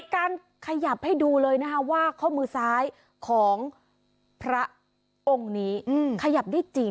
การขยับให้ดูเลยนะคะว่าข้อมือซ้ายของพระองค์นี้ขยับได้จริง